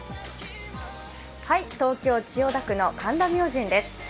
東京・千代田区の神田明神です。